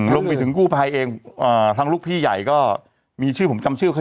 ลงไปถึงกู้ภัยเองทางลูกพี่ใหญ่ก็มีชื่อผมจำชื่อเคย